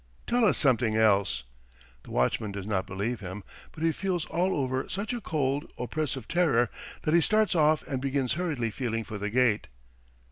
..." "Tell us something else!" The watchman does not believe him, but he feels all over such a cold, oppressive terror that he starts off and begins hurriedly feeling for the gate.